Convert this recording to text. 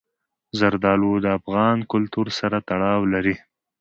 زردالو د افغان کلتور سره تړاو لري.